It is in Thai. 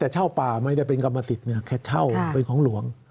แต่เช่าป่าไม่ได้เป็นกรรมสิทธิ์แค่เช่าเป็นของหลวง